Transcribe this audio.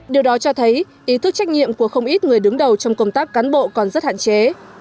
điều đó cho thấy ý thức trách nhiệm của không ít người đứng đầu trong công tác cán bộ còn rất hạn chế